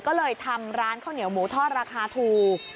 ก็เลยทำร้านข้าวเหนียวหมูทอดราคาถูก